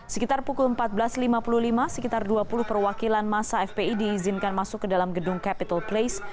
sekitar pukul empat belas lima puluh lima sekitar dua puluh perwakilan masa fpi diizinkan masuk ke dalam gedung capital place